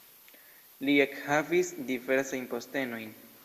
Li ekhavis diversajn postenojn.